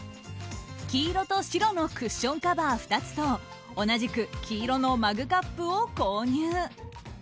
黄色と白のクッションカバー２つと同じく黄色のマグカップを購入。